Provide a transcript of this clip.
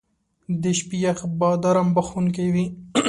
• د شپې یخ باد ارام بخښونکی وي.